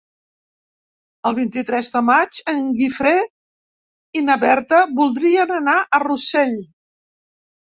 El vint-i-tres de maig en Guifré i na Berta voldrien anar a Rossell.